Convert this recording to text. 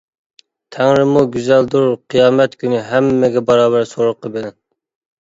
تەڭرىمۇ گۈزەلدۇر قىيامەت كۈنى ھەممىگە باراۋەر سورىقى بىلەن.